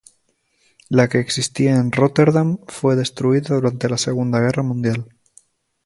La que existía en Róterdam fue destruida durante la Segunda Guerra Mundial.